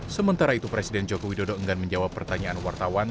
sementara itu presiden joko widodo enggan menjawab pertanyaan wartawan